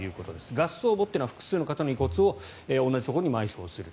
合葬墓というのは複数の方の遺骨を１つのところに埋葬する。